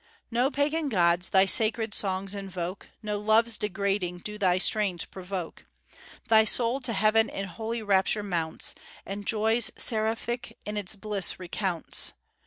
No pagan gods thy sacred songs invoke, No loves degrading do thy strains provoke. Thy soul to heaven in holy rapture mounts, And joys seraphic in its bliss recounts.